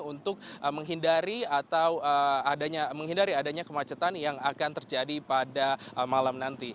untuk menghindari atau adanya menghindari adanya kemacetan yang akan terjadi pada malam nanti